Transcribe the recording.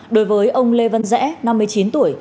đối với ông lê văn rẽ năm mươi chín tuổi